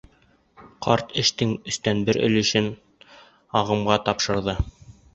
Ҡарт эшенең өстән бер өлөшөн ағымға тапшырҙы.